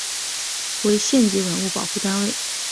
为县级文物保护单位。